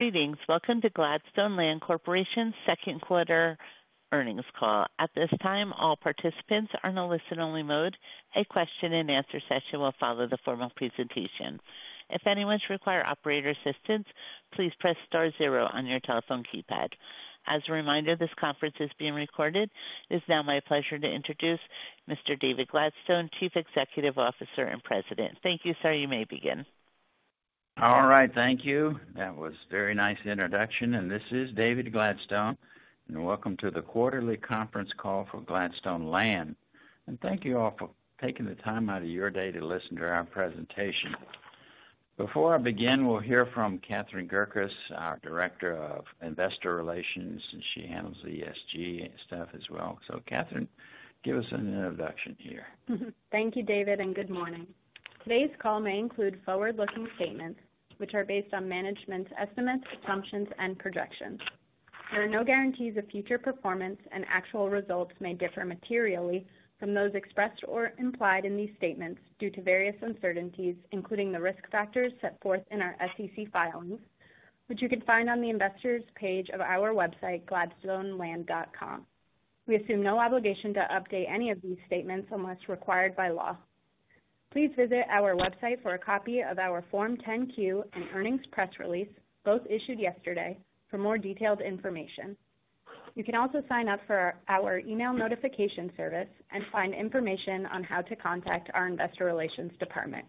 Greetings. Welcome to Gladstone Land Corporation's Second Quarter Earnings Call. At this time, all participants are in a listen-only mode. A question and answer session will follow the formal presentation. If anyone should require operator assistance, please press star zero on your telephone keypad. As a reminder, this conference is being recorded. It is now my pleasure to introduce Mr. David Gladstone, Chief Executive Officer and President. Thank you, sir. You may begin. All right. Thank you. That was a very nice introduction. This is David Gladstone. Welcome to the quarterly conference call for Gladstone Land. Thank you all for taking the time out of your day to listen to our presentation. Before I begin, we'll hear from Katharine Gorka, our Director of Investor Relations. She handles the ESG stuff as well. Katharine, give us an introduction here. Thank you, David, and good morning. Today's call may include forward-looking statements, which are based on management estimates, assumptions, and projections. There are no guarantees of future performance, and actual results may differ materially from those expressed or implied in these statements due to various uncertainties, including the risk factors set forth in our SEC filings, which you can find on the investors' page of our website, gladstoneland.com. We assume no obligation to update any of these statements unless required by law. Please visit our website for a copy of our Form 10-Q and earnings press release, both issued yesterday, for more detailed information. You can also sign up for our email notification service and find information on how to contact our Investor Relations Department.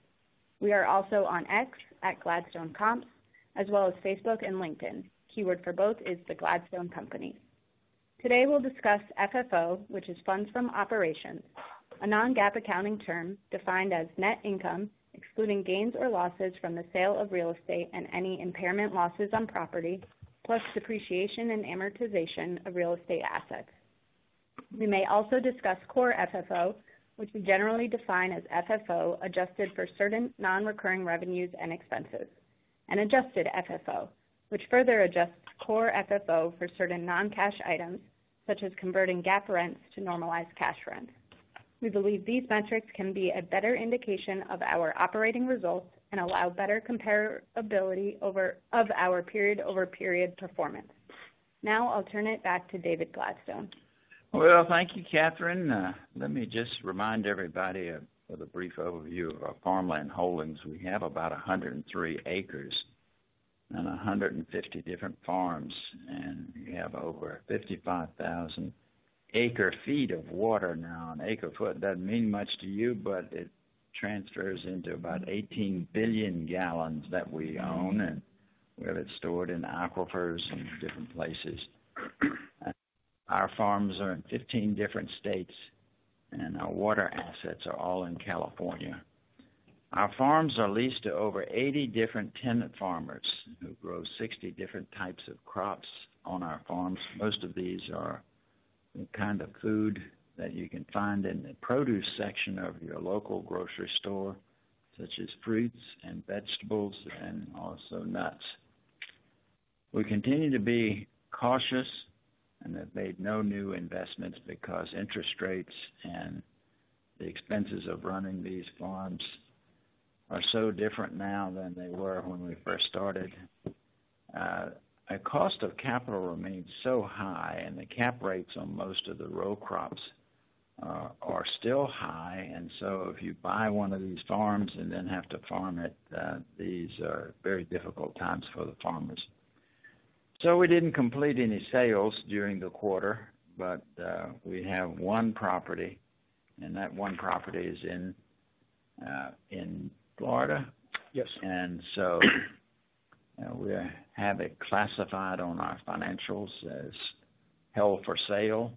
We are also on X, @GladstoneComps as well as Facebook and LinkedIn. Keyword for both is The Gladstone Company. Today, we'll discuss FFO, which is funds from operations, a non-GAAP accounting term defined as net income including gains or losses from the sale of real estate and any impairment losses on property, plus depreciation and amortization of real estate assets. We may also discuss core FFO, which we generally define as FFO adjusted for certain non-recurring revenues and expenses, and adjusted FFO, which further adjusts core FFO for certain non-cash items, such as converting GAAP rents to normalized cash rent. We believe these metrics can be a better indication of our operating results and allow better comparability of our period-over-period performance. Now, I'll turn it back to David Gladstone. Thank you, Katharine. Let me just remind everybody of a brief overview of our farmland holdings. We have about 103,000 acres and 150 different farms. We have over 55,000 acre feet of water now. An acre foot doesn't mean much to you, but it transfers into about 18 billion gal that we own. We have it stored in aquifers in different places. Our farms are in 15 different states, and our water assets are all in California. Our farms are leased to over 80 different tenant farmers who grow 60 different types of crops on our farms. Most of these are the kind of food that you can find in the produce section of your local grocery store, such as fruits and vegetables and also nuts. We continue to be cautious and have made no new investments because interest rates and the expenses of running these farms are so different now than they were when we first started. The cost of capital remains so high, and the cap rates on most of the row crops are still high. If you buy one of these farms and then have to farm it, these are very difficult times for the farmers. We didn't complete any sales during the quarter, but we have one property. That one property is in Florida. Yes. We have it classified on our financials as held for sale.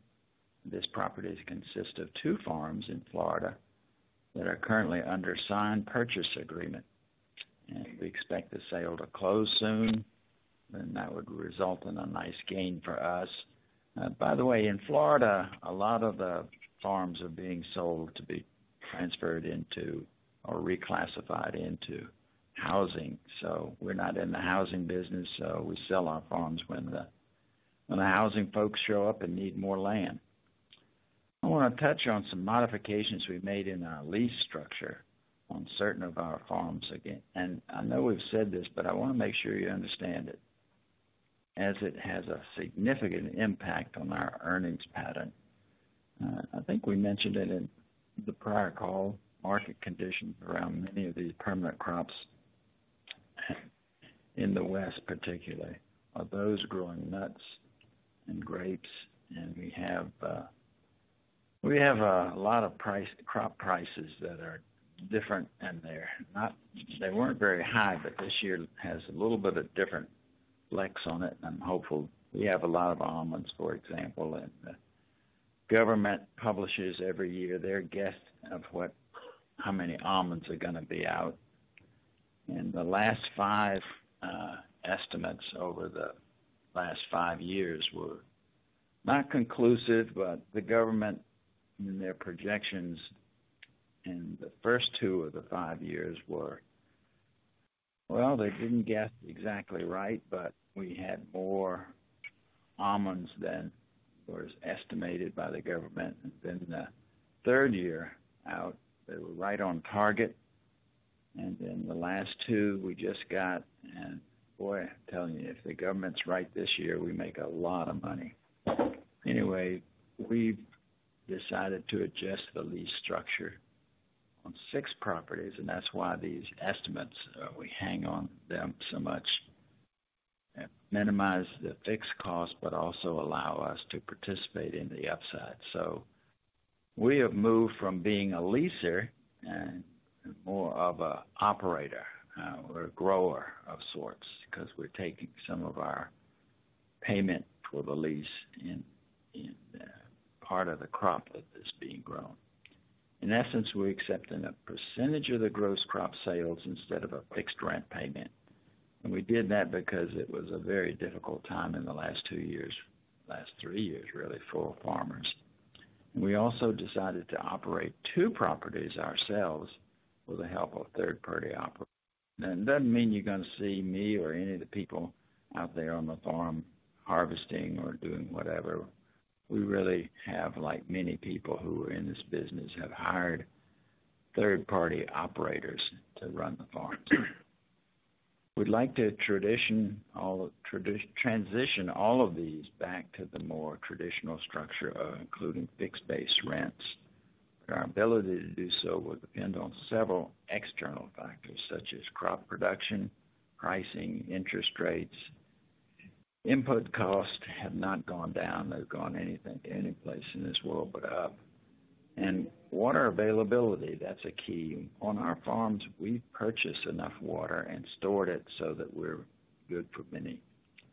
This property consists of two farms in Florida that are currently under a signed purchase agreement. We expect the sale to close soon. That would result in a nice gain for us. By the way, in Florida, a lot of the farms are being sold to be transferred into or reclassified into housing. We are not in the housing business, so we sell our farms when the housing folks show up and need more land. I want to touch on some modifications we've made in our lease structure on certain of our farms again. I know we've said this, but I want to make sure you understand it, as it has a significant impact on our earnings pattern. I think we mentioned it in the prior call. Market conditions around many of these permanent crops in the West, particularly those growing nuts and grapes, have a lot of crop prices that are different. They weren't very high, but this year has a little bit of different flex on it. I'm hopeful. We have a lot of almonds, for example, and the government publishes every year their guess of how many almonds are going to be out. The last five estimates over the last five years were not conclusive, but the government and their projections in the first two of the five years were, well, they didn't guess exactly right, but we had more almonds than was estimated by the government. The third year out, they were right on target. The last two we just got, and if the government's right this year, we make a lot of money. We've decided to adjust the lease structure on six properties. That's why these estimates, we hang on to them so much, minimize the fixed cost, but also allow us to participate in the upside. We have moved from being a leaser and more of an operator or a grower of sorts because we're taking some of our payment for the lease in part of the crop that is being grown. In essence, we're accepting a percentage of the gross crop sales instead of a fixed rent payment. We did that because it was a very difficult time in the last two years, last three years, really, for farmers. We also decided to operate two properties ourselves with the help of third-party operators. It doesn't mean you're going to see me or any of the people out there on the farm harvesting or doing whatever. We really have, like many people who are in this business, hired third-party operators to run the farms. We'd like to transition all of these back to the more traditional structure, including fixed-based rents. Our ability to do so will depend on several external factors, such as crop production, pricing, and interest rates. Input costs have not gone down. They've gone anyplace in this world but up. Water availability, that's a key. On our farms, we've purchased enough water and stored it so that we're good for many,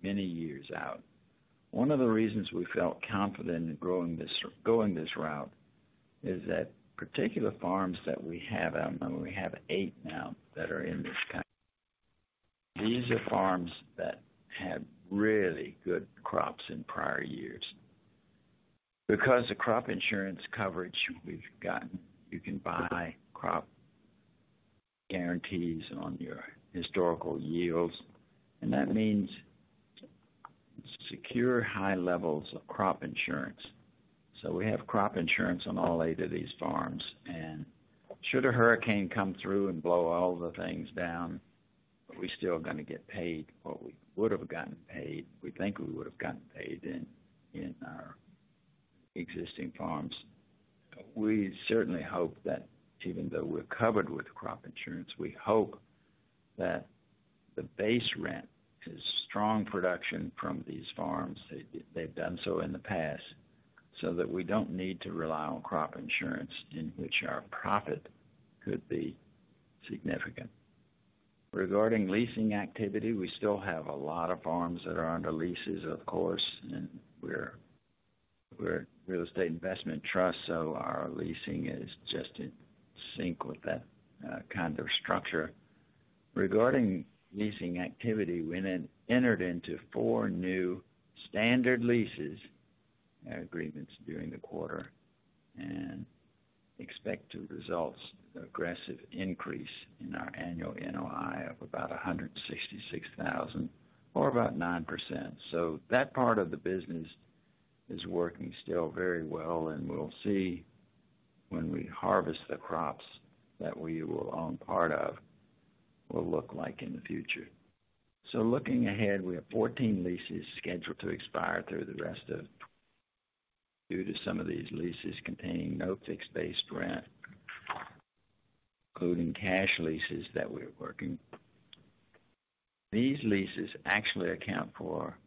many years out. One of the reasons we felt confident in going this route is that particular farms that we have, and we have eight now that are in this country, these are farms that had really good crops in prior years. Because of crop insurance coverage we've gotten, you can buy crop guarantees on your historical yields. That means secure high levels of crop insurance. We have crop insurance on all eight of these farms. Should a hurricane come through and blow all the things down, we're still going to get paid what we would have gotten paid. We think we would have gotten paid in our existing farms. We certainly hope that even though we're covered with crop insurance, we hope that the base rent is strong production from these farms. They've done so in the past so that we don't need to rely on crop insurance, in which our profit could be significant. Regarding leasing activity, we still have a lot of farms that are under leases, of course. We're a real estate investment trust, so our leasing is just in sync with that kind of structure. Regarding leasing activity, we entered into four new standard lease agreements during the quarter and expect to result in an aggressive increase in our annual NOI of about $166,000 or about 9%. That part of the business is working still very well. We'll see when we harvest the crops that we will own part of, what it will look like in the future. Looking ahead, we have 14 leases scheduled to expire through the rest of the year due to some of these leases containing no fixed-based rent, including cash leases that we're working. These leases actually account for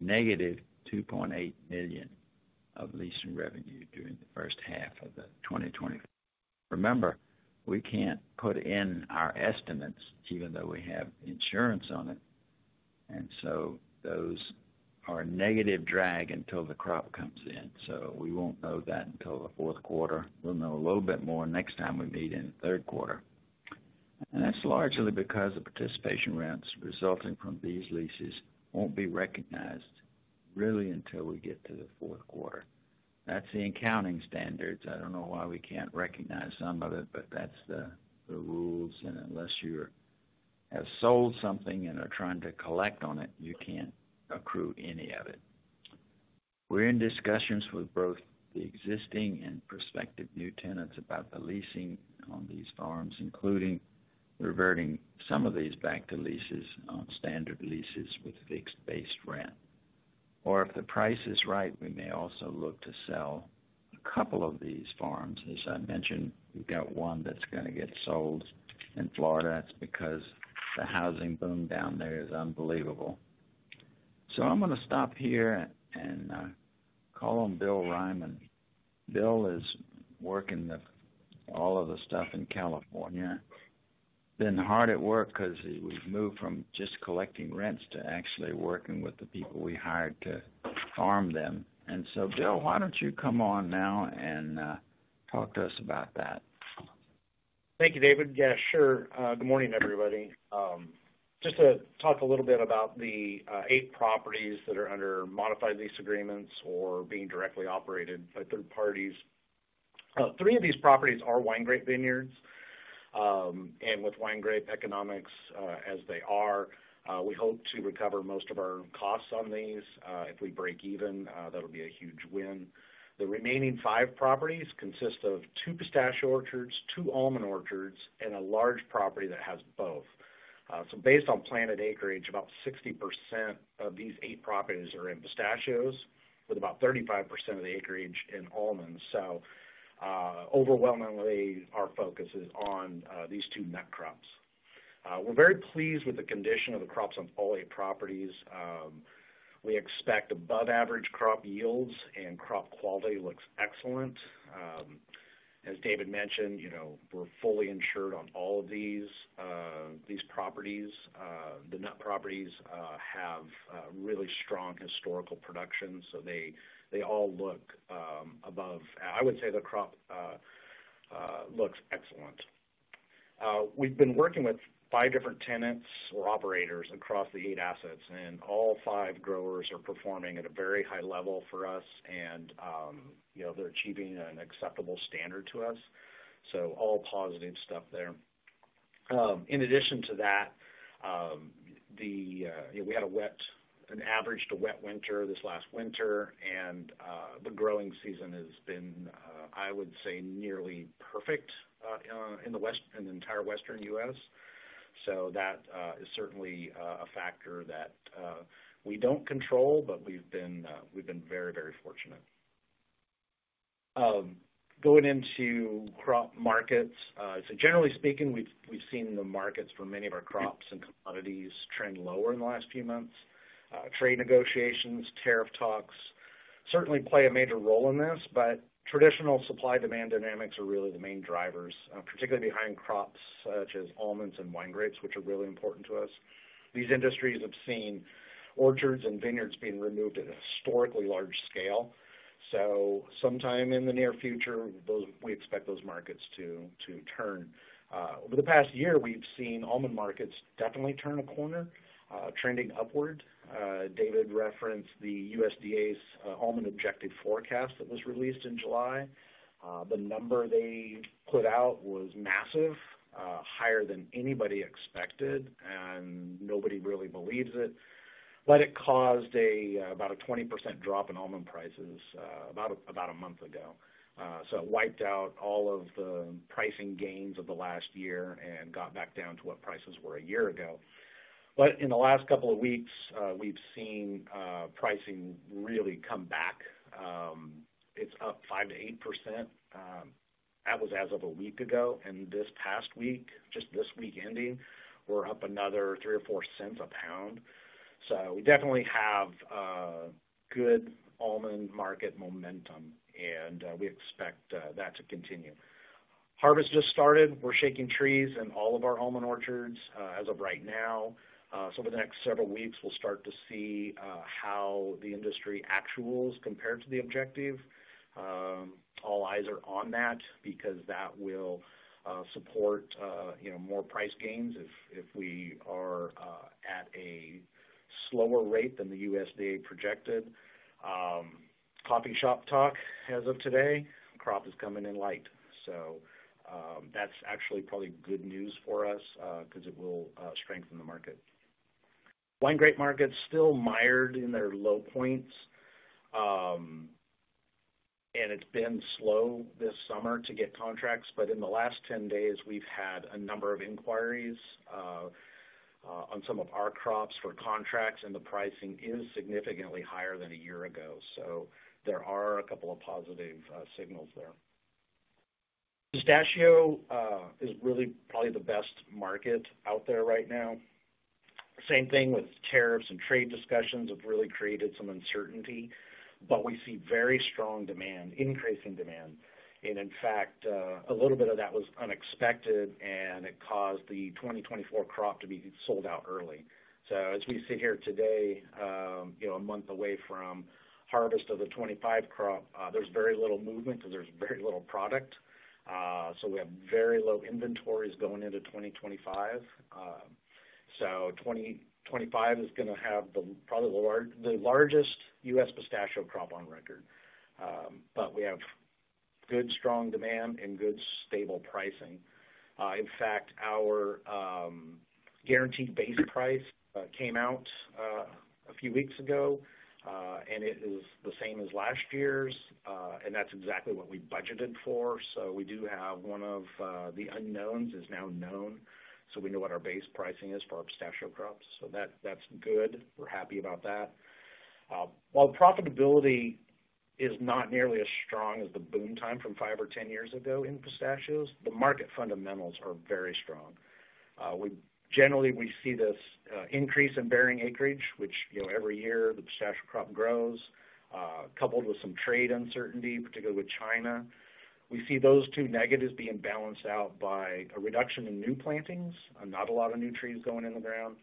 negative $2.8 million of leasing revenue during the first half of 2020. Remember, we can't put in our estimates even though we have insurance on it. Those are a negative drag until the crop comes in. We won't know that until the fourth quarter. We'll know a little bit more next time we meet in the third quarter. That's largely because the participation rents resulting from these leases won't be recognized until we get to the fourth quarter. That's the accounting standards. I don't know why we can't recognize some of it, but that's the rules. Unless you have sold something and are trying to collect on it, you can't accrue any of it. We're in discussions with both the existing and prospective new tenants about the leasing on these farms, including reverting some of these back to leases on standard leases with fixed-based rent. If the price is right, we may also look to sell a couple of these farms. As I mentioned, we've got one that's going to get sold in Florida. That's because the housing boom down there is unbelievable. I'm going to stop here and call on Bill Reiman. Bill is working all of the stuff in California. He's been hard at work because we've moved from just collecting rents to actually working with the people we hired to farm them. Bill, why don't you come on now and talk to us about that? Thank you, David. Yeah, sure. Good morning, everybody. Just to talk a little bit about the eight properties that are under modified lease agreements or being directly operated by third parties. Three of these properties are wine grape vineyards. With wine grape economics as they are, we hope to recover most of our costs on these. If we break even, that'll be a huge win. The remaining five properties consist of two pistachio orchards, two almond orchards, and a large property that has both. Based on planted acreage, about 60% of these eight properties are in pistachios, with about 35% of the acreage in almonds. Overwhelmingly, our focus is on these two nut crops. We're very pleased with the condition of the crops on all eight properties. We expect above-average crop yields, and crop quality looks excellent. As David mentioned, you know we're fully insured on all of these properties. The nut properties have really strong historical production. They all look above, I would say, the crop looks excellent. We've been working with five different tenants or operators across the eight assets. All five growers are performing at a very high level for us, and you know they're achieving an acceptable standard to us. All positive stuff there. In addition to that, we had an average to wet winter this last winter, and the growing season has been, I would say, nearly perfect in the entire Western U.S. That is certainly a factor that we don't control, but we've been very, very fortunate. Going into crop markets, generally speaking, we've seen the markets for many of our crops and commodities trend lower in the last few months. Trade negotiations and tariff talks certainly play a major role in this. Traditional supply-demand dynamics are really the main drivers, particularly behind crops such as almonds and wine grapes, which are really important to us. These industries have seen orchards and vineyards being removed at a historically large scale. Sometime in the near future, we expect those markets to turn. Over the past year, we've seen almond markets definitely turn a corner, trending upward. David referenced the USDA's almond objective forecast that was released in July. The number they put out was massive, higher than anybody expected. Nobody really believes it, but it caused about a 20% drop in almond prices about a month ago. It wiped out all of the pricing gains of the last year and got back down to what prices were a year ago. In the last couple of weeks, we've seen pricing really come back. It's up 5%-8%. That was as of a week ago. This past week, just this week ending, we're up another $0.03 or $0.04 a lbs. We definitely have good almond market momentum, and we expect that to continue. Harvest just started. We're shaking trees in all of our almond orchards as of right now. Over the next several weeks, we'll start to see how the industry actuals compare to the objective. All eyes are on that because that will support more price gains if we are at a slower rate than the USDA projected. Coffee shop talk as of today is crop is coming in light. That's actually probably good news for us because it will strengthen the market. The wine grape market is still mired in their low points, and it's been slow this summer to get contracts. In the last 10 days, we've had a number of inquiries on some of our crops for contracts, and the pricing is significantly higher than a year ago. There are a couple of positive signals there. Pistachio is really probably the best market out there right now. The same thing with tariffs and trade discussions has really created some uncertainty, but we see very strong demand, increasing demand. In fact, a little bit of that was unexpected, and it caused the 2024 crop to be sold out early. As we sit here today, a month away from harvest of the 2025 crop, there's very little movement because there's very little product. We have very low inventories going into 2025. The 2025 season is going to have probably the largest U.S. pistachio crop on record, but we have good, strong demand and good, stable pricing. In fact, our guaranteed base price came out a few weeks ago, and it is the same as last year's. That's exactly what we budgeted for. One of the unknowns is now known, so we know what our base pricing is for our pistachio crops. That's good. We're happy about that. While profitability is not nearly as strong as the boom time from 5 or 10 years ago in pistachios, the market fundamentals are very strong. Generally, we see this increase in bearing acreage, which every year the pistachio crop grows, coupled with some trade uncertainty, particularly with China. We see those two negatives being balanced out by a reduction in new plantings, not a lot of new trees going in the ground.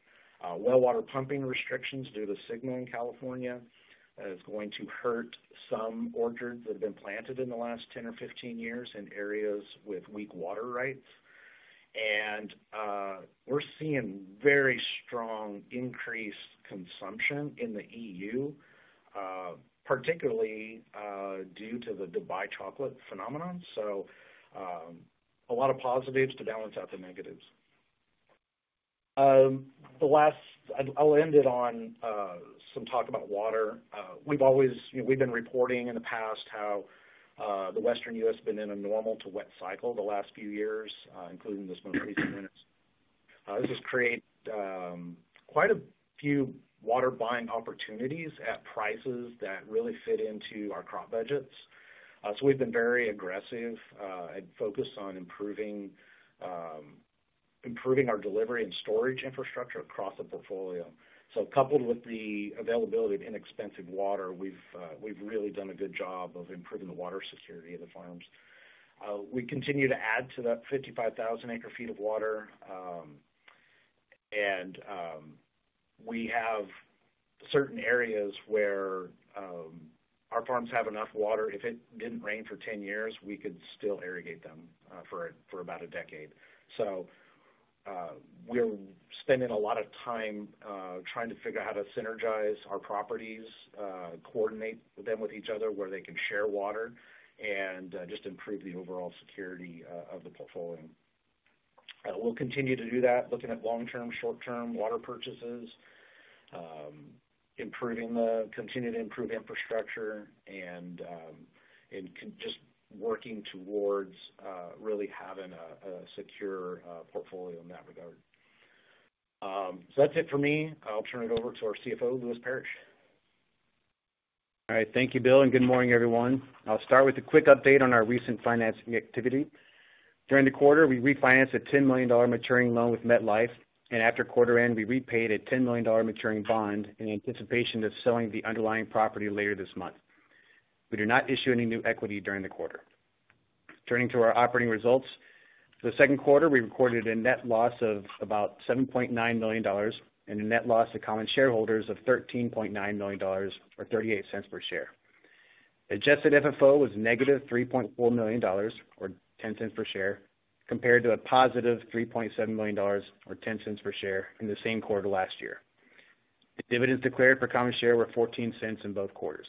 Water pumping restrictions due to the SGMA in California are going to hurt some orchards that have been planted in the last 10 or 15 years in areas with weak water rights. We're seeing very strong increased consumption in the EU, particularly due to the Dubai chocolate phenomenon. There are a lot of positives to balance out the negatives. I'll end it on some talk about water. We've always been reporting in the past how the Western U.S. has been in a normal to wet cycle the last few years, including this month. This has created quite a few water buying opportunities at prices that really fit into our crop budgets. We've been very aggressive and focused on improving our delivery and storage infrastructure across the portfolio. Coupled with the availability of inexpensive water, we've really done a good job of improving the water security of the farms. We continue to add to that 55,000-acre feet of water, and we have certain areas where our farms have enough water that if it didn't rain for 10 years, we could still irrigate them for about a decade. We're spending a lot of time trying to figure out how to synergize our properties, coordinate them with each other where they can share water, and just improve the overall security of the portfolio. We'll continue to do that, looking at long-term and short-term water purchases, continuing to improve infrastructure, and just working towards really having a secure portfolio in that regard. That's it for me. I'll turn it over to our CFO, Lewis Parrish. All right. Thank you, Bill, and good morning, everyone. I'll start with a quick update on our recent financing activity. During the quarter, we refinanced a $10 million maturing loan with MetLife. After quarter end, we repaid a $10 million maturing bond in anticipation of selling the underlying property later this month. We did not issue any new equity during the quarter. Turning to our operating results, in the second quarter, we recorded a net loss of about $7.9 million and a net loss to common shareholders of $13.9 million or $0.38 per share. Adjusted FFO was -$3.4 million or $0.10 per share compared to a +$3.7 million or $0.10 per share in the same quarter last year. The dividends declared per common share were $0.14 in both quarters.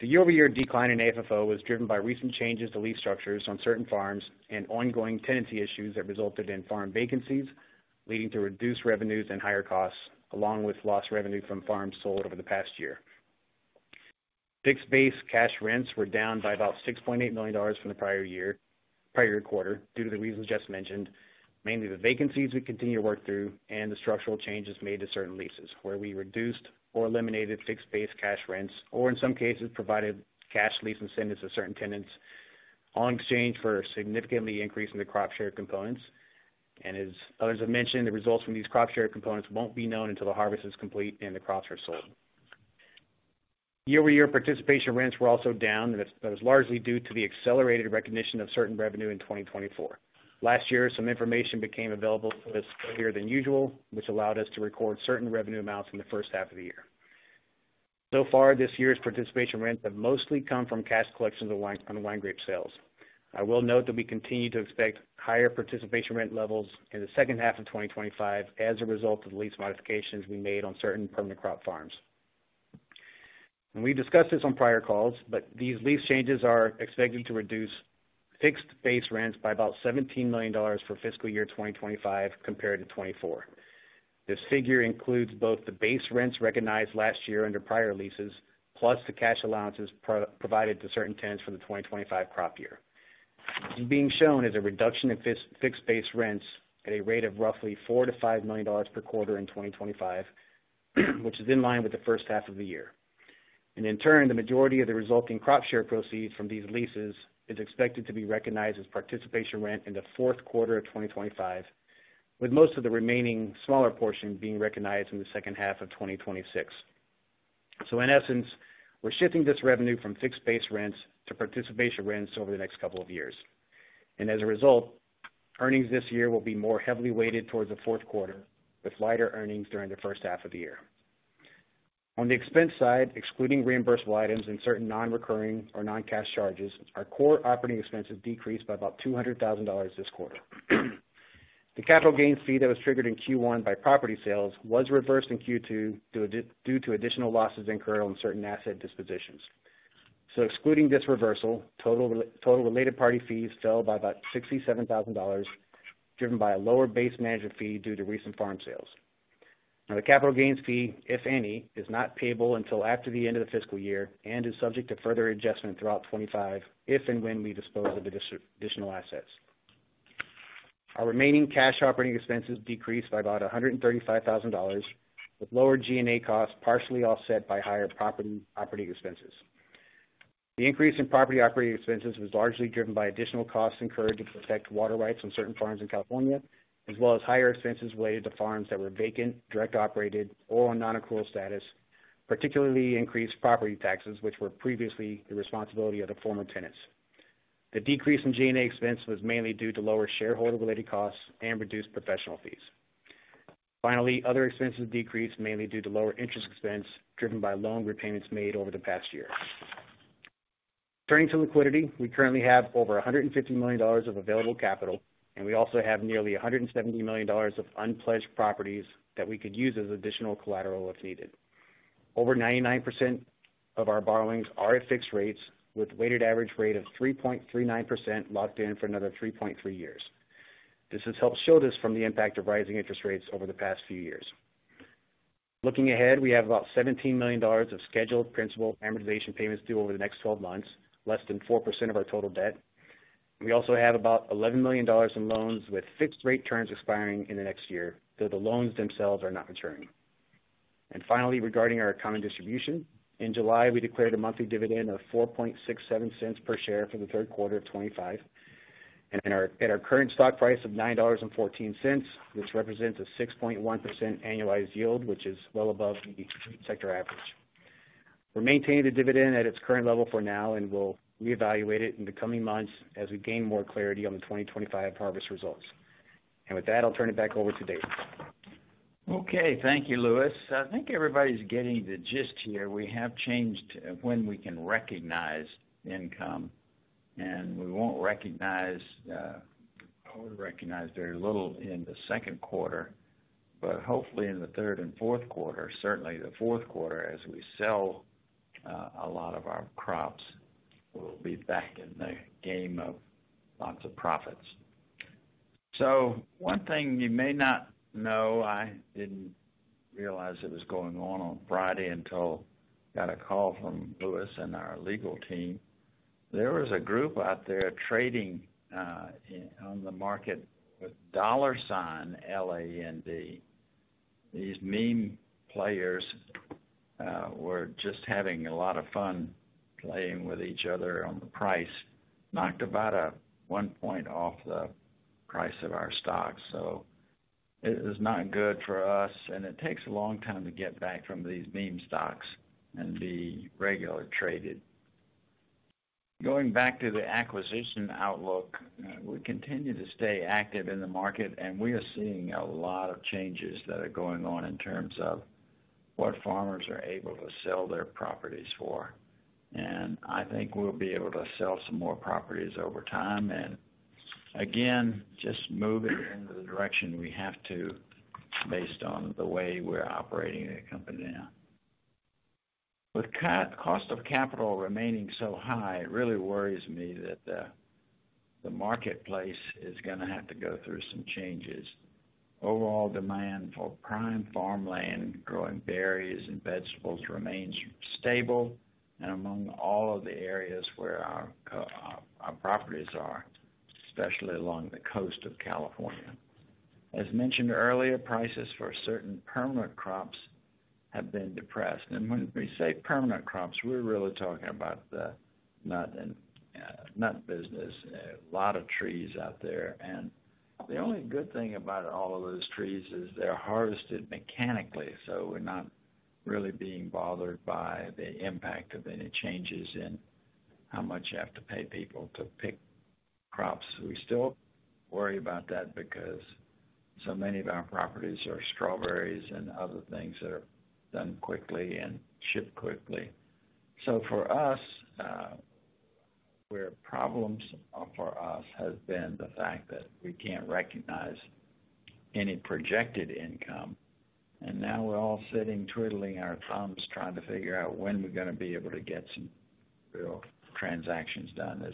The year-over-year decline in FFO was driven by recent changes to lease structures on certain farms and ongoing tenancy issues that resulted in farm vacancies, leading to reduced revenues and higher costs, along with lost revenue from farms sold over the past year. Fixed-based cash rents were down by about $6.8 million from the prior year prior quarter due to the reasons just mentioned, mainly the vacancies we continue to work through and the structural changes made to certain leases where we reduced or eliminated fixed-based cash rents or, in some cases, provided cash lease incentives to certain tenants in exchange for significantly increasing the crop share components. The results from these crop share components won't be known until the harvest is complete and the crops are sold. Year-over-year participation rents were also down, which was largely due to the accelerated recognition of certain revenue in 2024. Last year, some information became available to us earlier than usual, which allowed us to record certain revenue amounts in the first half of the year. This year's participation rents have mostly come from cash collections on wine grape sales. We continue to expect higher participation rent levels in the second half of 2025 as a result of the lease modifications we made on certain permanent crop farms. We have discussed this on prior calls, but these lease changes are expected to reduce fixed-based rents by about $17 million for fiscal year 2025 compared to 2024. This figure includes both the base rents recognized last year under prior leases plus the cash allowances provided to certain tenants for the 2025 crop year. There is a reduction in fixed-based rents at a rate of roughly $4 million-$5 million per quarter in 2025, which is in line with the first half of the year. In turn, the majority of the resulting crop share proceeds from these leases is expected to be recognized as participation rent in the fourth quarter of 2025, with most of the remaining smaller portion being recognized in the second half of 2026. In essence, we're shifting this revenue from fixed-based rents to participation rents over the next couple of years. As a result, earnings this year will be more heavily weighted towards the fourth quarter with lighter earnings during the first half of the year. On the expense side, excluding reimbursable items and certain non-recurring or non-cash charges, our core operating expenses decreased by about $200,000 this quarter. The capital gains fee that was triggered in Q1 by property sales was reversed in Q2 due to additional losses incurred on certain asset dispositions. Excluding this reversal, total related party fees fell by about $67,000, driven by a lower base management fee due to recent farm sales. The capital gains fee, if any, is not payable until after the end of the fiscal year and is subject to further adjustment throughout 2025 if and when we dispose of the additional assets. Our remaining cash operating expenses decreased by about $135,000, with lower G&A costs partially offset by higher property operating expenses. The increase in property operating expenses was largely driven by additional costs incurred to protect water rights on certain farms in California, as well as higher expenses related to farms that were vacant, direct-operated, or on non-accrual status, particularly increased property taxes, which were previously the responsibility of the former tenants. The decrease in G&A expense was mainly due to lower shareholder-related costs and reduced professional fees. Other expenses decreased mainly due to lower interest expense driven by loan repayments made over the past year. Turning to liquidity, we currently have over $150 million of available capital. We also have nearly $170 million of unpledged properties that we could use as additional collateral if needed. Over 99% of our borrowings are at fixed rates with a weighted average rate of 3.39% locked in for another 3.3 years. This has helped shield us from the impact of rising interest rates over the past few years. Looking ahead, we have about $17 million of scheduled principal amortization payments due over the next 12 months, less than 4% of our total debt. We also have about $11 million in loans with fixed-rate terms expiring in the next year, though the loans themselves are not maturing. Finally, regarding our common distribution, in July, we declared a monthly dividend of $0.0467 per share for the third quarter of 2025. At our current stock price of $9.14, which represents a 6.1% annualized yield, this is well above the sector average. We're maintaining the dividend at its current level for now. We'll reevaluate it in the coming months as we gain more clarity on the 2025 harvest results. With that, I'll turn it back over to David. Okay. Thank you, Lewis. I think everybody's getting the gist here. We have changed when we can recognize income, and we won't recognize or recognize very little in the second quarter, but hopefully in the third and fourth quarter. Certainly, the fourth quarter, as we sell a lot of our crops, we'll be back in the game of lots of profits. One thing you may not know, I didn't realize it was going on on Friday until I got a call from Lewis and our legal team. There was a group out there trading on the market with Dollar Sign, L-A-N-D. These meme players were just having a lot of fun playing with each other on the price, knocked about a one point off the price of our stocks. It was not good for us, and it takes a long time to get back from these meme stocks and be regular traded. Going back to the acquisition outlook, we continue to stay active in the market, and we are seeing a lot of changes that are going on in terms of what farmers are able to sell their properties for. I think we'll be able to sell some more properties over time, just moving into the direction we have to based on the way we're operating the company now. With the cost of capital remaining so high, it really worries me that the marketplace is going to have to go through some changes. Overall demand for prime farmland growing berries and vegetables remains stable and among all of the areas where our properties are, especially along the coast of California. As mentioned earlier, prices for certain permanent crops have been depressed. When we say permanent crops, we're really talking about the nut business, a lot of trees out there. The only good thing about all of those trees is they're harvested mechanically, so we're not really being bothered by the impact of any changes in how much you have to pay people to pick crops. We still worry about that because so many of our properties are strawberries and other things that are done quickly and shipped quickly. For us, where problems for us have been the fact that we can't recognize any projected income, now we're all sitting twiddling our thumbs trying to figure out when we're going to be able to get some real transactions done.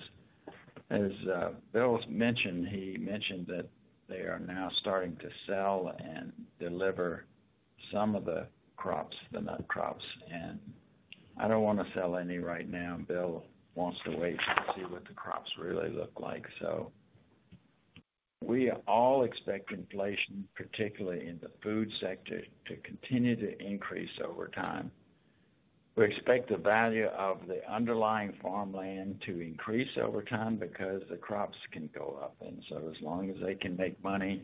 As Bill mentioned, he mentioned that they are now starting to sell and deliver some of the crops, the nut crops. I don't want to sell any right now, and Bill wants to wait and see what the crops really look like. We all expect inflation, particularly in the food sector, to continue to increase over time. We expect the value of the underlying farmland to increase over time because the crops can go up. As long as they can make money,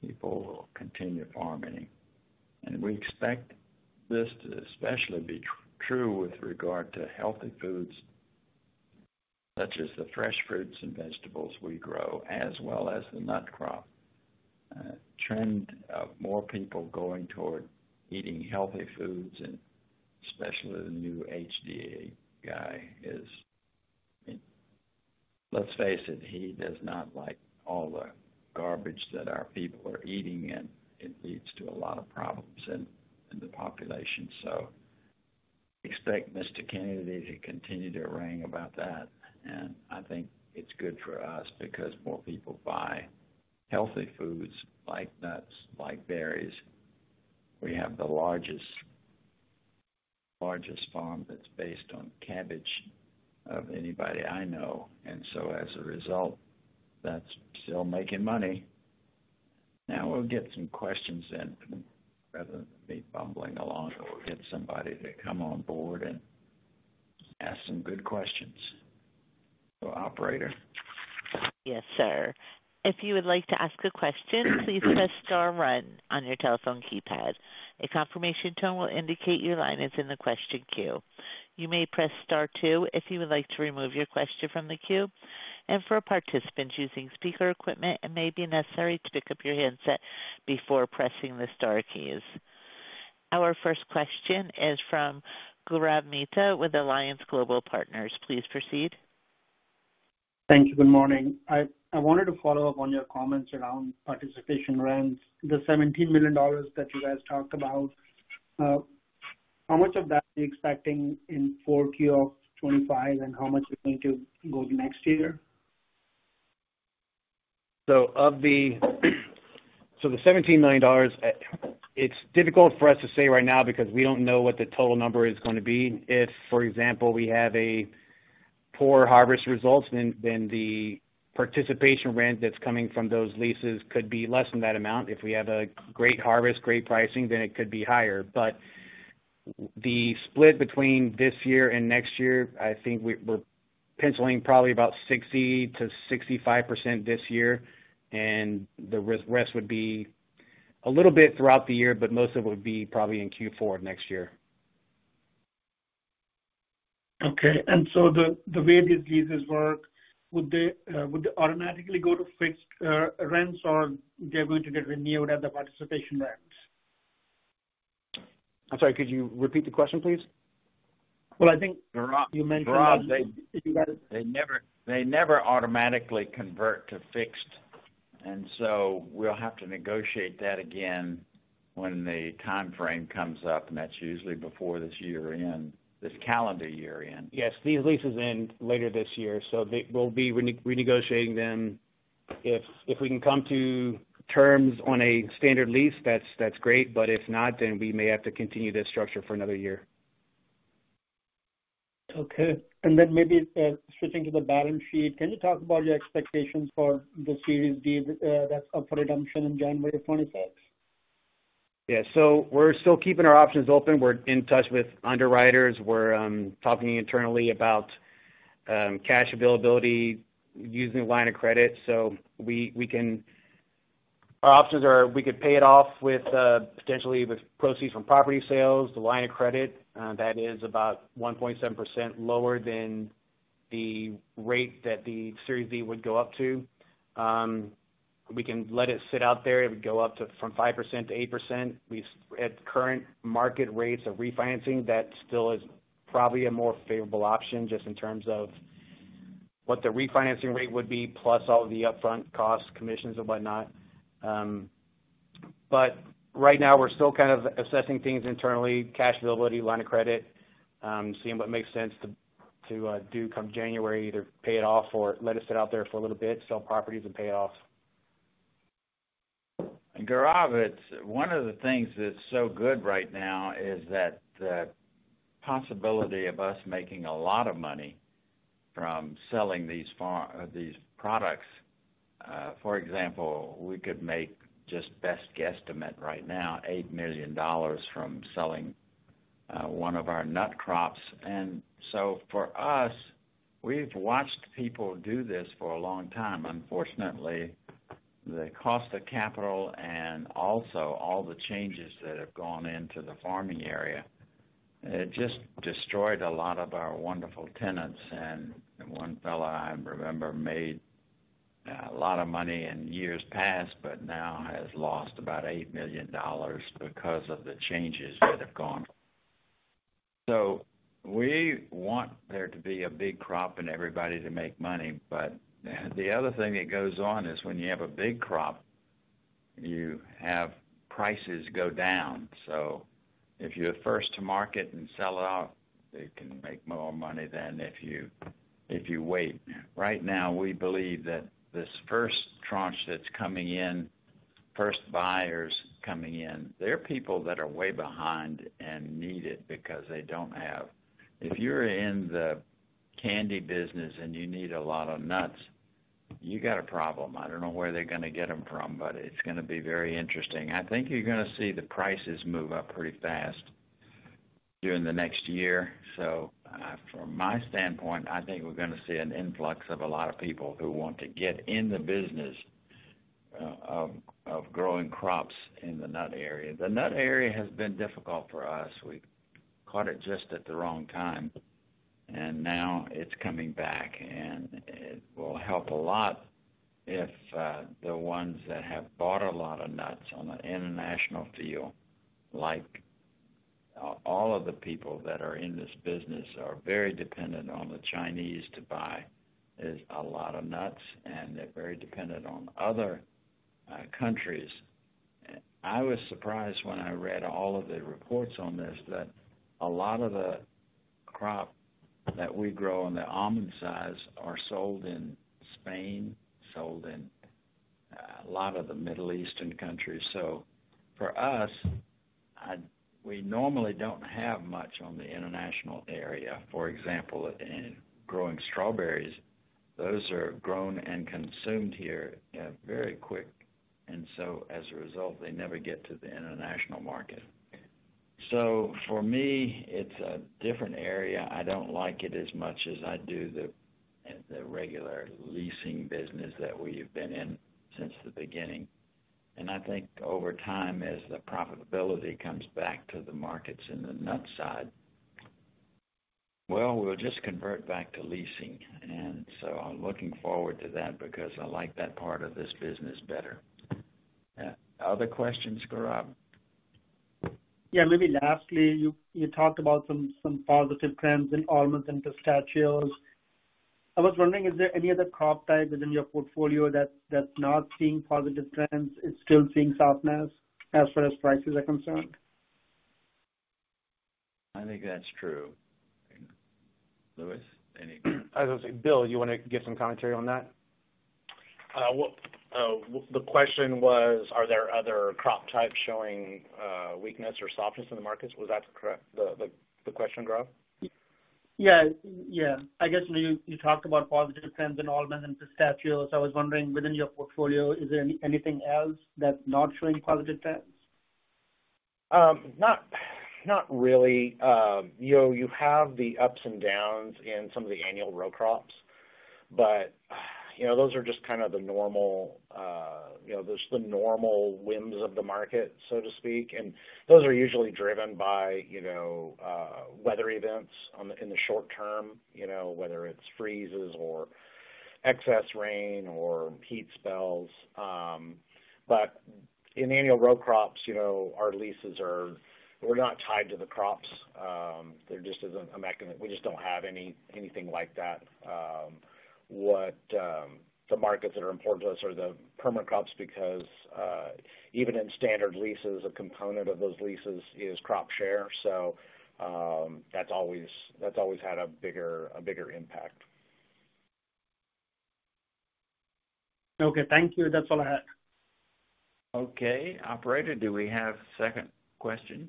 people will continue farming. We expect this to especially be true with regard to healthy foods, such as the fresh fruits and vegetables we grow, as well as the nut crop. The trend of more people going toward eating healthy foods, and especially the new HDA guy, is let's face it, he does not like all the garbage that our people are eating. It leads to a lot of problems in the population. We expect Mr. Kennedy to continue to wrangle about that. I think it's good for us because more people buy healthy foods like nuts, like berries. We have the largest farm that's based on cabbage of anybody I know, and as a result, that's still making money. Now we'll get some questions in from rather than me fumbling along, we'll get somebody to come on board and ask some good questions. Operator? Yes, sir. If you would like to ask a question, please press star one on your telephone keypad. A confirmation tone will indicate your line is in the question queue. You may press star two if you would like to remove your question from the queue. For participants using speaker equipment, it may be necessary to pick up your handset before pressing the star keys. Our first question is from Gaurav Mehta with Alliance Global Partners. Please proceed. Thank you. Good morning. I wanted to follow up on your comments around participation rents. The $17 million that you guys talked about, how much of that are you expecting in Q4 of 2025 and how much is going to go the next year? Of the $17 million, it's difficult for us to say right now because we don't know what the total number is going to be. If, for example, we have poor harvest results, then the participation rent that's coming from those leases could be less than that amount. If we have a great harvest, great pricing, then it could be higher. The split between this year and next year, I think we're penciling probably about 60%-65% this year. The rest would be a little bit throughout the year, but most of it would be probably in Q4 of next year. Okay. The way these leases work, would they automatically go to fixed rents or are they going to get renewed at the participation rents? I'm sorry, could you repeat the question, please? I think you mentioned that they never automatically convert to fixed, so we'll have to negotiate that again when the timeframe comes up. That's usually before this calendar year-end. Yes. These leases end later this year. We will be renegotiating them. If we can come to terms on a standard lease, that's great. If not, we may have to continue this structure for another year. Okay. Maybe switching to the balance sheet, can you talk about your expectations for the Series D that's up for redemption in January 2025? Yeah. We're still keeping our options open. We're in touch with underwriters. We're talking internally about cash availability using the line of credit. Our options are we could pay it off potentially with proceeds from property sales. The line of credit is about 1.7% lower than the rate that the Series D would go up to. We can let it sit out there. It would go up from 5%-8%. At current market rates of refinancing, that still is probably a more favorable option just in terms of what the refinancing rate would be, plus all of the upfront costs, commissions, and whatnot. Right now, we're still kind of assessing things internally, cash availability, line of credit, seeing what makes sense to do come January to pay it off or let it sit out there for a little bit, sell properties, and pay it off. Gaurav, one of the things that's so good right now is that the possibility of us making a lot of money from selling these products. For example, we could make, just best guesstimate right now, $8 million from selling one of our nut crops. For us, we've watched people do this for a long time. Unfortunately, the cost of capital and also all the changes that have gone into the farming area just destroyed a lot of our wonderful tenants. One fellow I remember made a lot of money in years past, but now has lost about $8 million because of the changes that have gone. We want there to be a big crop and everybody to make money. The other thing that goes on is when you have a big crop, you have prices go down. If you're the first to market and sell it off, you can make more money than if you wait. Right now, we believe that this first tranche that's coming in, first buyers coming in, they're people that are way behind and need it because they don't have. If you're in the candy business and you need a lot of nuts, you got a problem. I don't know where they're going to get them from, but it's going to be very interesting. I think you're going to see the prices move up pretty fast during the next year. From my standpoint, I think we're going to see an influx of a lot of people who want to get in the business of growing crops in the nut area. The nut area has been difficult for us. We caught it just at the wrong time. Now it's coming back. It will help a lot if the ones that have bought a lot of nuts on the international field, like all of the people that are in this business, are very dependent on the Chinese to buy a lot of nuts. They're very dependent on other countries. I was surprised when I read all of the reports on this that a lot of the crop that we grow on the almond sides are sold in Spain, sold in a lot of the Middle Eastern countries. For us, we normally don't have much on the international area. For example, in growing strawberries, those are grown and consumed here very quick, and as a result, they never get to the international market. For me, it's a different area. I don't like it as much as I do the regular leasing business that we've been in since the beginning. I think over time, as the profitability comes back to the markets in the nut side, we'll just convert back to leasing. I'm looking forward to that because I like that part of this business better. Other questions, Gaurav? Maybe lastly, you talked about some positive trends in almonds and pistachios. I was wondering, is there any other crop type within your portfolio that's not seeing positive trends? It's still seeing softness as far as prices are concerned? I think that's true. I think, Lewis, any? I was going to say, Bill, you want to give some commentary on that? The question was, are there other crop types showing weakness or softness in the markets? Was that the question, Gaurav? Yeah, I guess you talked about positive trends in almonds and pistachios. I was wondering, within your portfolio, is there anything else that's not showing positive trends? Not really. You have the ups and downs in some of the annual row crops. Those are just kind of the normal whims of the market, so to speak. Those are usually driven by weather events in the short term, whether it's freezes or excess rain or heat spells. In annual row crops, our leases are not tied to the crops. There just isn't a mechanism. We just don't have anything like that. The markets that are important to us are the permanent crops because even in standard leases, a component of those leases is crop share. That's always had a bigger impact. Okay, thank you. That's all I had. Okay. Operator, do we have a second question?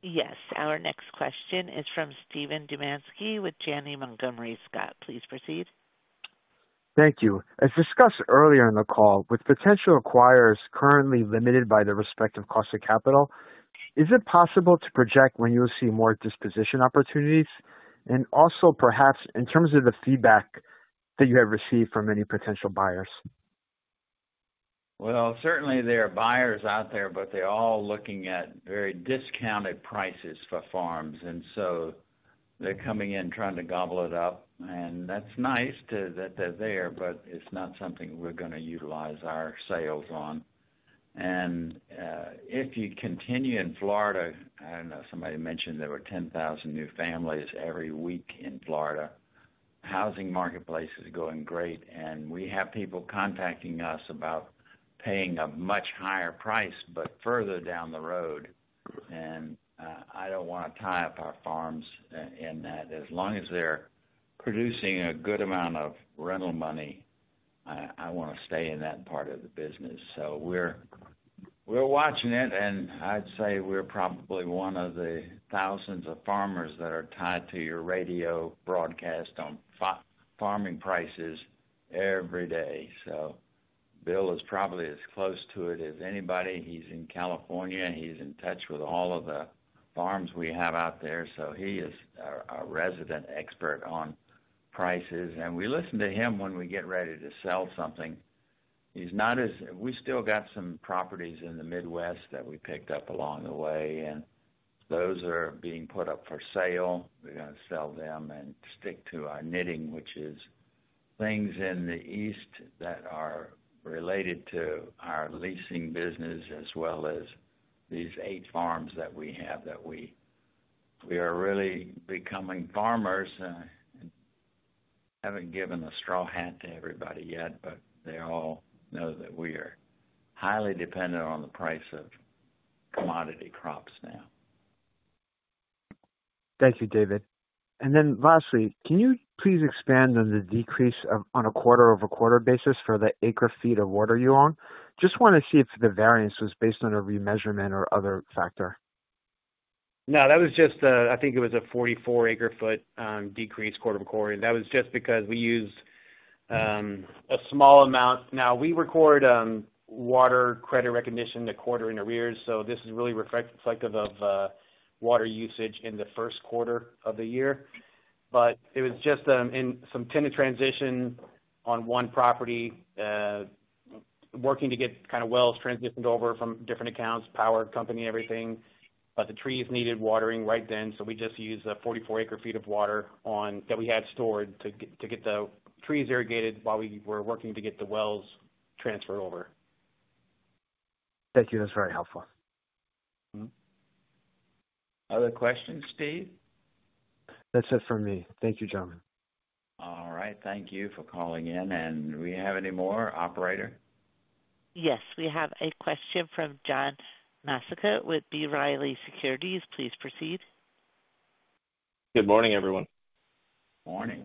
Yes. Our next question is from Steven Dumanski with Janney Montgomery Scott. Please proceed. Thank you. As discussed earlier in the call, with potential acquirers currently limited by their respective cost of capital, is it possible to project when you will see more disposition opportunities? Also, perhaps in terms of the feedback that you have received from any potential buyers? Certainly, there are buyers out there, but they're all looking at very discounted prices for farms. They're coming in trying to gobble it up. It's nice that they're there, but it's not something we're going to utilize our sales on. If you continue in Florida, I don't know, somebody mentioned there were 10,000 new families every week in Florida. The housing marketplace is going great. We have people contacting us about paying a much higher price, but further down the road. I don't want to tie up our farms in that. As long as they're producing a good amount of rental money, I want to stay in that part of the business. We're watching it. I'd say we're probably one of the thousands of farmers that are tied to your radio broadcast on farming prices every day. Bill is probably as close to it as anybody. He's in California. He's in touch with all of the farms we have out there. He is a resident expert on prices, and we listen to him when we get ready to sell something. We still got some properties in the Midwest that we picked up along the way, and those are being put up for sale. We got to sell them and stick to our knitting, which is things in the east that are related to our leasing business, as well as these eight farms that we have that we are really becoming farmers. I haven't given a straw hat to everybody yet, but they all know that we are highly dependent on the price of commodity crops now. Thank you, David. Lastly, can you please expand on the decrease on a quarter-over-quarter basis for the acre feet of water you own? I just want to see if the variance was based on a remeasurement or other factor. That was just the, I think it was a 44-acre foot decrease quarter-over-quarter. That was just because we used a small amount. We record water credit recognition in the quarter in arrears. This is really reflective of water usage in the first quarter of the year. It was just in some tenant transition on one property, working to get wells transitioned over from different accounts, power company, everything. The trees needed watering right then. We just used 44 acre feet of water that we had stored to get the trees irrigated while we were working to get the wells transferred over. Thank you. That's very helpful. Other questions, Steve? That's it for me. Thank you, gentlemen. All right. Thank you for calling in. Do we have any more, Operator? Yes. We have a question from John Massocca with B. Riley Securities. Please proceed. Good morning, everyone. Morning.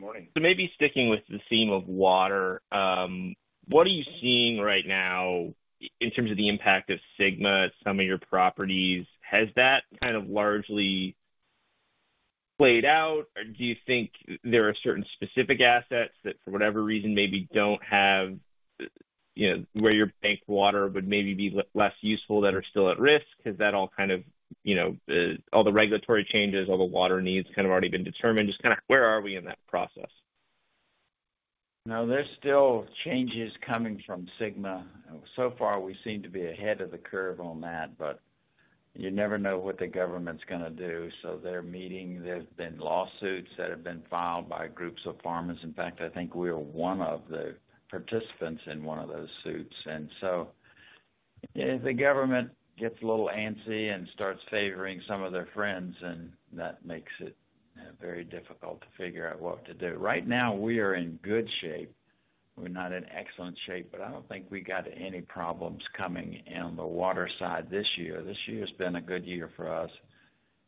Morning. Maybe sticking with the theme of water, what are you seeing right now in terms of the impact of SGMA on some of your properties? Has that kind of largely played out? Do you think there are certain specific assets that, for whatever reason, maybe don't have, you know, where your bank water would maybe be less useful that are still at risk? Has that all, you know, all the regulatory changes, all the water needs, kind of already been determined? Just kind of where are we in that process? No, there's still changes coming from SGMA. So far, we seem to be ahead of the curve on that. You never know what the government's going to do. They're meeting. There's been lawsuits that have been filed by groups of farmers. In fact, I think we were one of the participants in one of those suits. If the government gets a little antsy and starts favoring some of their friends, that makes it very difficult to figure out what to do. Right now, we are in good shape. We're not in excellent shape, but I don't think we got any problems coming on the water side this year. This year has been a good year for us.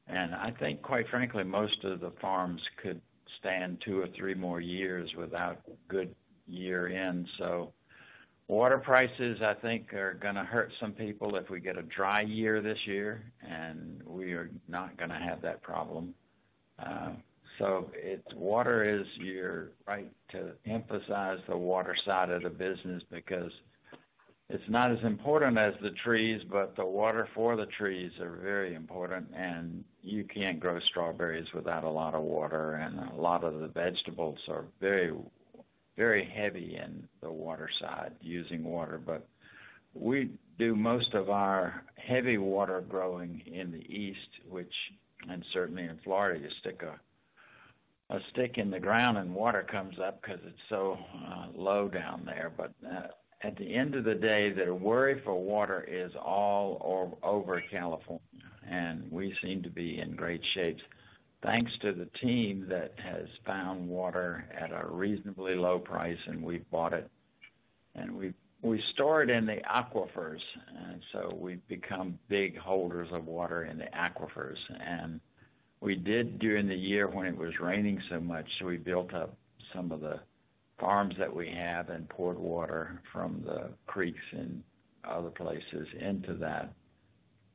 I think, quite frankly, most of the farms could stand two or three more years without good year-ends. Water prices, I think, are going to hurt some people if we get a dry year this year. We are not going to have that problem. Water is your right to emphasize the water side of the business because it's not as important as the trees, but the water for the trees is very important. You can't grow strawberries without a lot of water. A lot of the vegetables are very, very heavy in the water side, using water. We do most of our heavy water growing in the east, which, and certainly in Florida, you stick a stick in the ground and water comes up because it's so low down there. At the end of the day, the worry for water is all over California. We seem to be in great shape, thanks to the team that has found water at a reasonably low price. We've bought it. We store it in the aquifers. We've become big holders of water in the aquifers. We did during the year when it was raining so much, so we built up some of the farms that we have and poured water from the creeks and other places into that.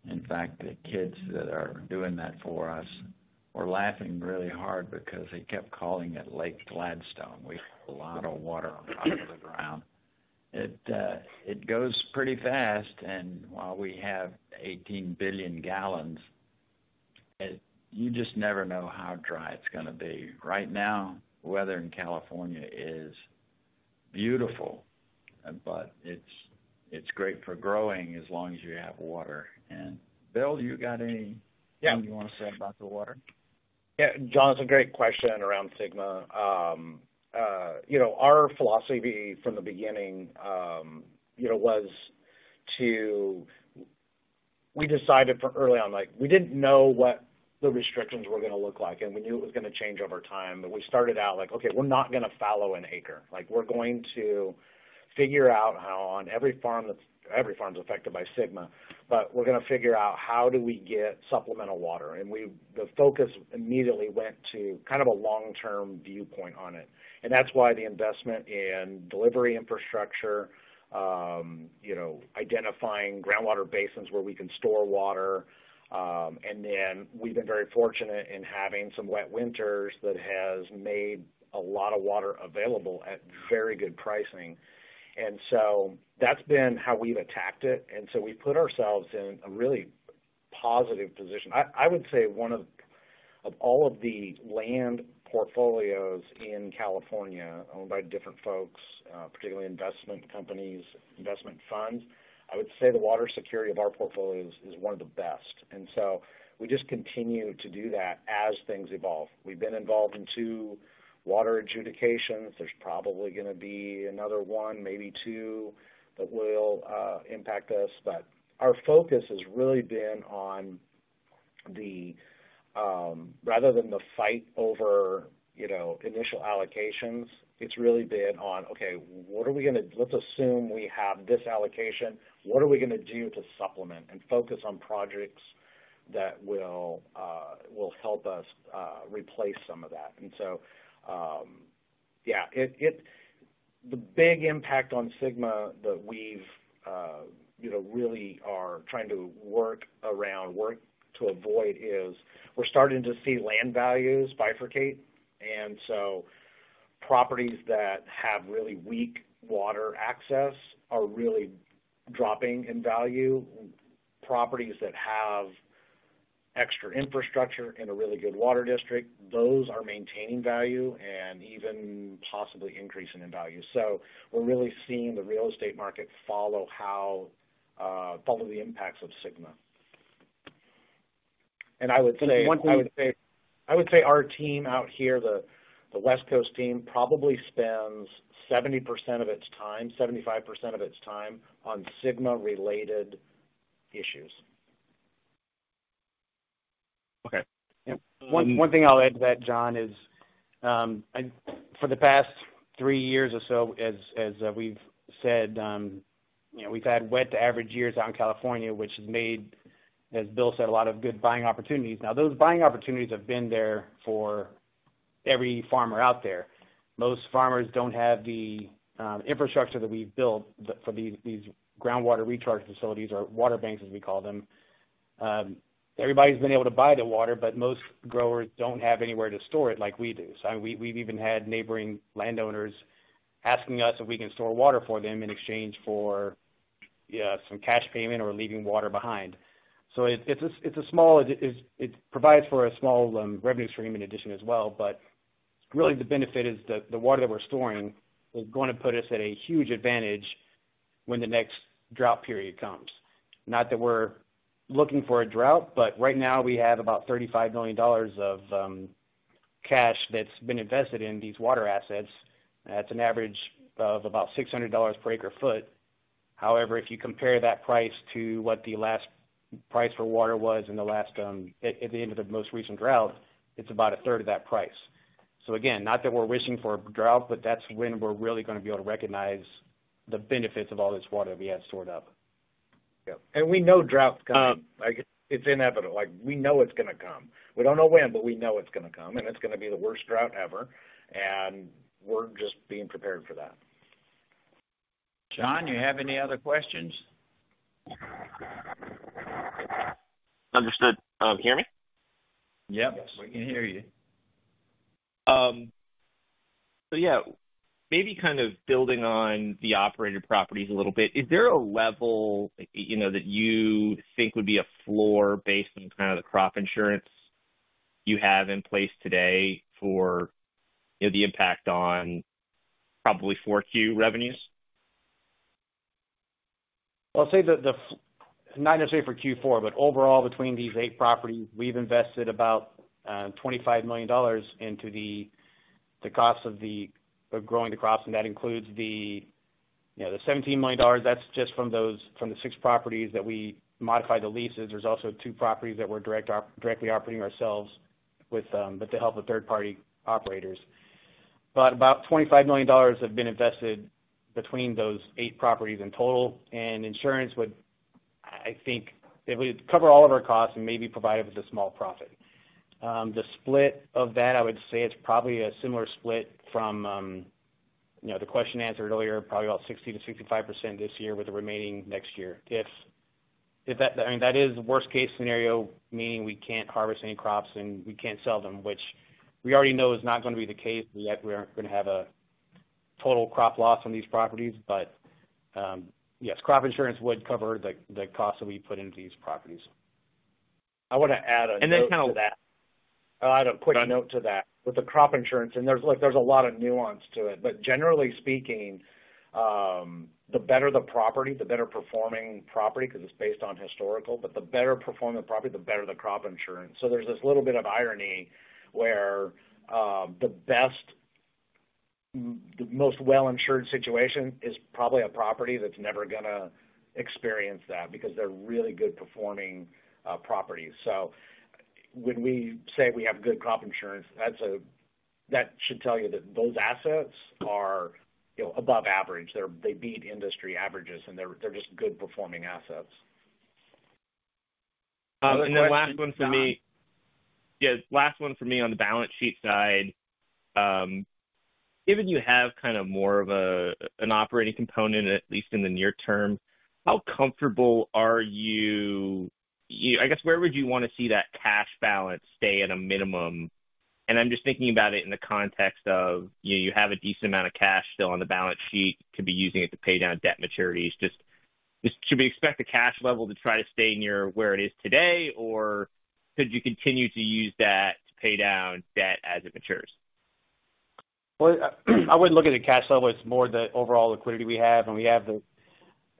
In fact, the kids that are doing that for us were laughing really hard because they kept calling it Lake Gladstone. We have a lot of water on the ground. It goes pretty fast. While we have 18 billion gal, you just never know how dry it's going to be. Right now, the weather in California is beautiful, but it's great for growing as long as you have water. Bill, do you got anything you want to say about the water? Yeah. John, it's a great question around SGMA. Our philosophy from the beginning was to, we decided from early on, like we didn't know what the restrictions were going to look like. We knew it was going to change over time. We started out like, "Okay, we're not going to fallow an acre. We're going to figure out how on every farm that's every farm's affected by SGMA. We're going to figure out how do we get supplemental water?" The focus immediately went to kind of a long-term viewpoint on it. That's why the investment in delivery infrastructure, identifying groundwater basins where we can store water. We've been very fortunate in having some wet winters that have made a lot of water available at very good pricing. That's been how we've attacked it. We've put ourselves in a really positive position. I would say of all of the land portfolios in California owned by different folks, particularly investment companies, investment funds, I would say the water security of our portfolios is one of the best. We just continue to do that as things evolve. We've been involved in two water adjudications. There's probably going to be another one, maybe two, that will impact us. Our focus has really been on, rather than the fight over initial allocations, it's really been on, "Okay, let's assume we have this allocation. What are we going to do to supplement and focus on projects that will help us replace some of that?" The big impact on SGMA that we've really are trying to work around, work to avoid, is we're starting to see land values bifurcate. Properties that have really weak water access are really dropping in value. Properties that have extra infrastructure in a really good water district, those are maintaining value and even possibly increasing in value. We're really seeing the real estate market follow the impacts of SGMA. I would say our team out here, the West Coast team, probably spends 70% of its time, 75% of its time on SGMA-related issues. Okay. Yeah. One thing I'll add to that, John, is for the past three years or so, as we've said, you know, we've had wet to average years out in California, which has made, as Bill said, a lot of good buying opportunities. Now, those buying opportunities have been there for every farmer out there. Most farmers don't have the infrastructure that we've built for these groundwater recharge facilities or water banks, as we call them. Everybody's been able to buy the water, but most growers don't have anywhere to store it like we do. I mean, we've even had neighboring landowners asking us if we can store water for them in exchange for, yeah, some cash payment or leaving water behind. It provides for a small revenue stream in addition as well. Really, the benefit is that the water that we're storing is going to put us at a huge advantage when the next drought period comes. Not that we're looking for a drought, but right now, we have about $35 million of cash that's been invested in these water assets. That's an average of about $600 per acre foot. However, if you compare that price to what the last price for water was at the end of the most recent drought, it's about a third of that price. Again, not that we're wishing for a drought, but that's when we're really going to be able to recognize the benefits of all this water that we have stored up. Yeah, we know drought is going to come. It's inevitable. We know it's going to come. We don't know when, but we know it's going to come. It's going to be the worst drought ever, and we're just being prepared for that. John, you have any other questions? Understood. Can you hear me? Yep, we can hear you. Maybe kind of building on the operated properties a little bit, is there a level that you think would be a floor based on the crop insurance you have in place today for the impact on probably 4Q revenues? I'll say that not necessarily for Q4, but overall, between these eight properties, we've invested about $25 million into the cost of growing the crops. That includes the $17 million from the six properties that we modified the leases. There are also two properties that we're directly operating ourselves with help from third-party operators. About $25 million have been invested between those eight properties in total. Insurance would, I think, cover all of our costs and maybe provide us with a small profit. The split of that, I would say, is probably a similar split from the question answered earlier, probably about 60%-65% this year with the remaining next year. If that is the worst-case scenario, meaning we can't harvest any crops and we can't sell them, which we already know is not going to be the case. We aren't going to have a total crop loss on these properties. Yes, crop insurance would cover the costs that we put into these properties. I want to add on that. Kind of. I don't put a note to that with the crop insurance. There's a lot of nuance to it. Generally speaking, the better the property, the better performing property, because it's based on historical, but the better performing property, the better the crop insurance. There's this little bit of irony where the best, the most well-insured situation is probably a property that's never going to experience that because they're really good performing properties. When we say we have good crop insurance, that should tell you that those assets are above average. They beat industry averages, and they're just good performing assets. Last one for me. Last one for me on the balance sheet side. Given you have kind of more of an operating component, at least in the near term, how comfortable are you? I guess where would you want to see that cash balance stay at a minimum? I'm just thinking about it in the context of, you have a decent amount of cash still on the balance sheet to be using it to pay down debt maturities. Should we expect the cash level to try to stay where it is today? Could you continue to use that to pay down debt as it matures? I wouldn't look at the cash level. It's more the overall liquidity we have.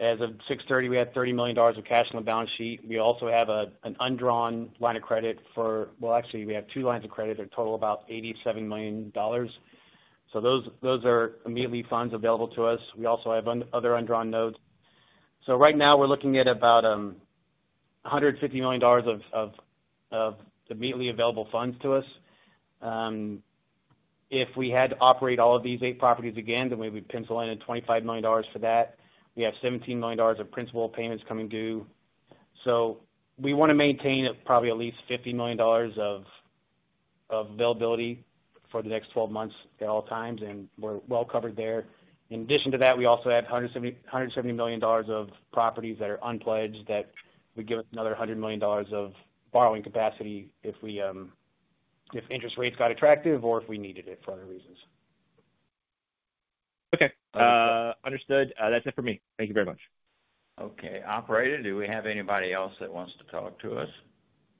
As of 6/30, we had $30 million of cash on the balance sheet. We also have an undrawn line of credit for, actually, we have two lines of credit. They total about $87 million. Those are immediately funds available to us. We also have other undrawn notes. Right now, we're looking at about $150 million of immediately available funds to us. If we had to operate all of these eight properties again, then we would pencil in $25 million for that. We have $17 million of principal payments coming due. We want to maintain probably at least $50 million of availability for the next 12 months at all times. We're well covered there. In addition to that, we also have $170 million of properties that are unpledged that would give us another $100 million of borrowing capacity if interest rates got attractive or if we needed it for other reasons. Okay. Understood. That's it for me. Thank you very much. Okay. Operator, do we have anybody else that wants to talk to us?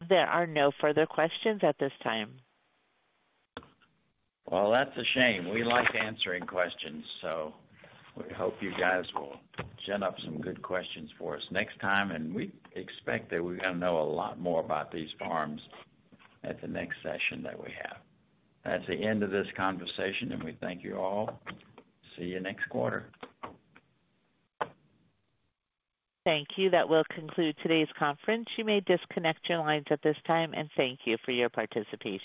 There are no further questions at this time. That is a shame. We like answering questions. We hope you guys will gin up some good questions for us next time. We expect that we're going to know a lot more about these farms at the next session that we have. That is the end of this conversation. We thank you all. See you next quarter. Thank you. That will conclude today's conference. You may disconnect your lines at this time. Thank you for your participation.